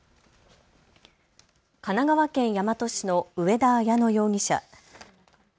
神奈川県大和市の上田綾乃容疑者。